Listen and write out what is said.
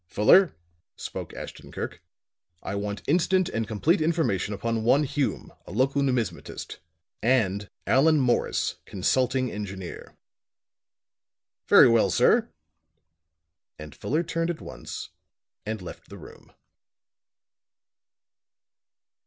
"Fuller," spoke Ashton Kirk, "I want instant and complete information upon one Hume, a local numismatist, and Allan Morris, consulting engineer." "Very well, sir." And Fuller turned at once, and left the room.